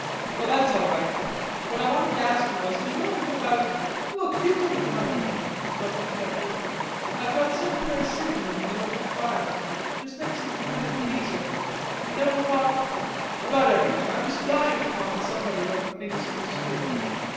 "Oh, that's all right. What I wanted to ask you was: do you know anything about...?" "Look, do come with me to my room," interrupted Sheffield. "I've got such a nice sitting room with an open fire, just next to Lieutenant Bleezer.... An' there we'll talk... about everything. I'm just dying to talk to somebody about the things of the spirit."